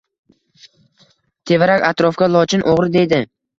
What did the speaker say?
Tevarak-atrofga Lochin o‘g‘ri deydi